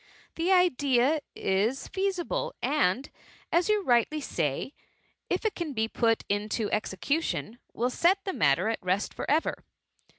^ The idea is feasible, and, as you righdy say, if it can be put into execution, will set the 40 THE MUMMY. matter at rest for ever.